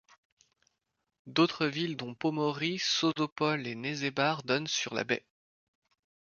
D'autres villes dont Pomorie, Sozopol et Nesebar donnent sur la baie.